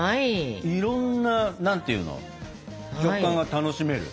いろんな何ていうの食感が楽しめる。